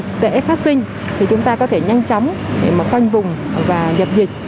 các cái yếu tố dịch tệ phát sinh thì chúng ta có thể nhanh chóng để mà khoanh vùng và nhập dịch